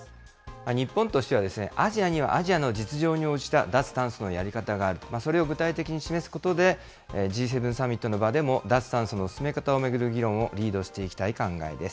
日本としては、アジアにはアジアの実情に応じた脱炭素のやり方があると、それを具体的に示すことで、Ｇ７サミットの場でも、脱炭素の進め方を巡る議論をリードしていきたい考えです。